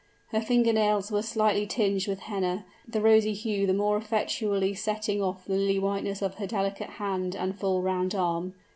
Her finger nails were slightly tinged with henna, the rosy hue the more effectually setting off the lily whiteness of her delicate hand and full round arm.